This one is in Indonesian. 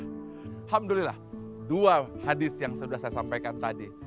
alhamdulillah dua hadis yang sudah saya sampaikan tadi